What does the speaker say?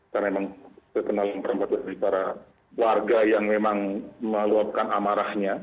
karena memang terkenal dengan perangkat dari para warga yang memang meluapkan amarahnya